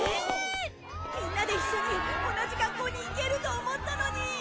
みんなで一緒に同じ学校に行けると思ったのに。